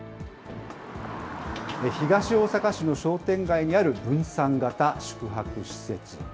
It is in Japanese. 東大阪市の商店街にある分散型宿泊施設。